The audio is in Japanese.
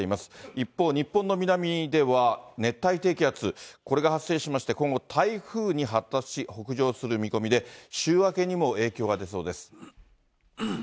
一方、日本の南では熱帯低気圧、これが発生しまして、今後台風に発達し、北上する見込みで、週明けにも影響が出そうです。